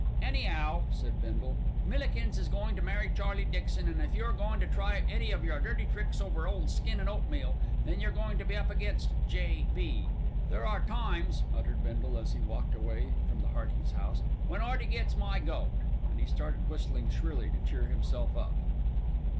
"Any'ow," said Bindle, "Millikins is goin' to marry Charlie Dixon, an' if you're goin' to try any of your dirty tricks over Ole Skin and Oatmeal, then you're goin' to be up against J.B. There are times," muttered Bindle, as he walked away from the Heartys' house, "when 'Earty gets my goat"; and he started whistling shrilly to cheer himself up.